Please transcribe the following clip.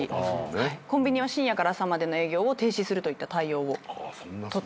コンビニは深夜から朝までの営業を停止するといった対応を取ったそうなんですね。